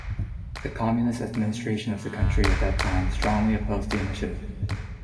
The communist administration of the country at that time strongly opposed the initiative.